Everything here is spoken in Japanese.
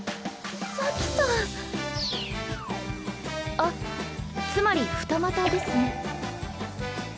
あっつまり二股ですね。